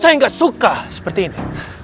saya nggak suka seperti ini